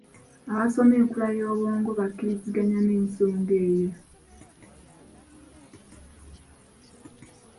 Abasoma enkula y’obwongo bakkiriziganya n’ensonga eyo.